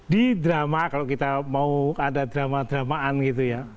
di drama kalau kita mau ada drama dramaan gitu ya